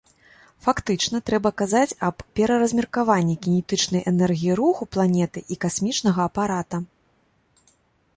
Фактычна, трэба казаць аб пераразмеркаванні кінетычнай энергіі руху планеты і касмічнага апарата.